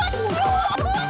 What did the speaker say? jalur doang jantung